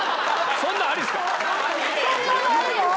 そんなんありなんすか？